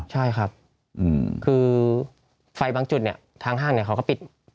ใช่ครับคือไฟบางจุดเนี่ยทางห้างเขาก็ปิด